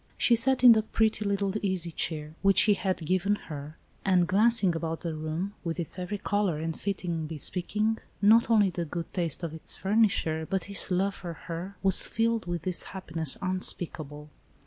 She sat in the pretty little easy chair, which he had given her, and, glancing about the room, with its every color and fitting bespeaking, not only the good taste of its furnisher, but his love for her, was filled with this happiness unspeakable.